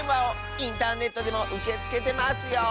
インターネットでもうけつけてますよ。